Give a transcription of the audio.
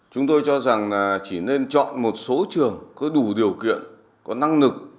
chúng tôi cho rằng chỉ nên chọn một số trường có đủ điều kiện có năng lực